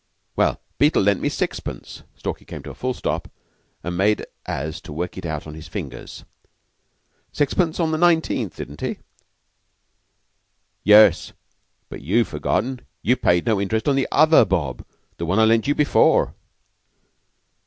"Well, Beetle lent me sixpence." Stalky came to a full stop and made as to work it out on his fingers. "Sixpence on the nineteenth, didn't he?" "Yes; but you've forgotten you paid no interest on the other bob the one I lent you before."